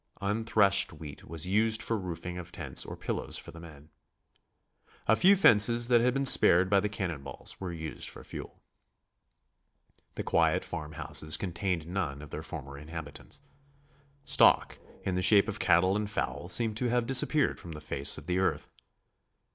Unthreshed wheat was used for roofing of tents or pillows for the men. A few fences that had been spared by the cannon balls were used for fuel. The quiet farmhouses contained none of their former inhabitants. Stock in the shape of cattle and fowl seemed to have disappeared from the face of the earth.